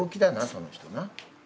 その人な。